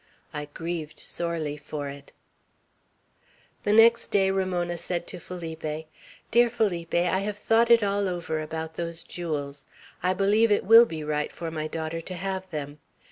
I grieved sorely for it." The next day Ramona said to Felipe: "Dear Felipe, I have thought it all over about those jewels. I believe it will be right for my daughter to have them.